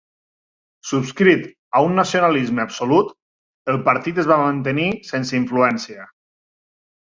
Subscrit a un nacionalisme absolut, el partit es va mantenir sense influència.